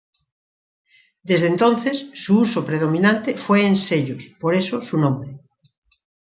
Desde entonces, su uso predominante fue en sellos, por eso su nombre.